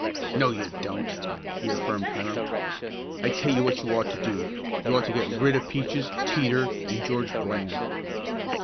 "No, you don't!" reaffirmed Hiram. "I tell you what you ought to do. You ought to get rid of Peaches, Teeter and George Bland."